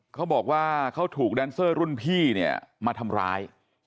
เขาบอกว่าเขาถูกแดนเซอร์รุ่นพี่เนี่ยมาทำร้าย